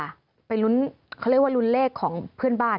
เขาเรียกว่ารุนเลขของเพื่อนบ้าน